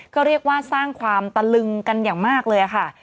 ก็เรียกว่าสร้างความตะลึงกันอย่างมากเลยค่ะ